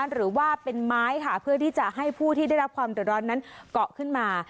หรือว่าเป็นไม้ค่ะเพื่อที่จะให้ผู้ที่ได้รับความเดือดร้อนนั้นเกาะขึ้นมา